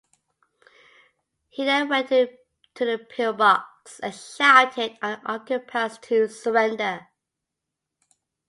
He then went to the pillbox and shouted to the occupants to surrender.